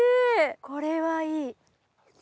これはいい。